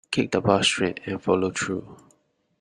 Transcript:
Kick the ball straight and follow through.